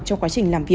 trong quá trình lái